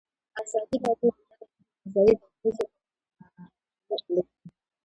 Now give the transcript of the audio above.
ازادي راډیو د د تګ راتګ ازادي د اغیزو په اړه مقالو لیکلي.